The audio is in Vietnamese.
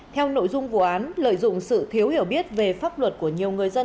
theo nội dung vụ án lợi dụng sự thiếu hiểu biết về pháp luật của nhiều người dân